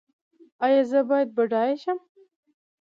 ایا زه باید بډای شم؟